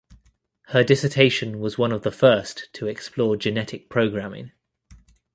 Her dissertation was one of the first to explore genetic programming.